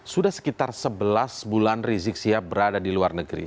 sudah sekitar sebelas bulan rizik sihab berada di luar negeri